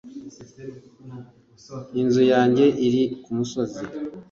inzu yanjye iri kumusozi